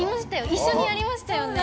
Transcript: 一緒にやりましたよね。